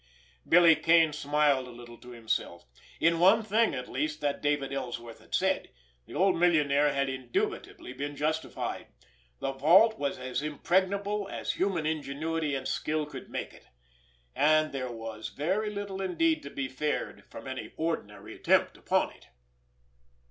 Billy Kane smiled a little to himself. In one thing, at least, that David Ellsworth had said, the old millionaire had indubitably been justified. The vault was as impregnable as human ingenuity and skill could make it, and there was very little indeed to be feared from any ordinary attempt upon it.